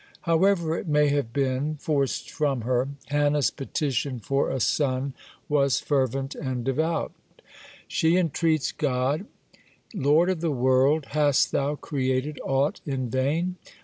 (8) However it may have been forced from her, Hannah's petition for a son was fervent and devout. She entreats God: "Lord of the world! Hast Thou created aught in vain?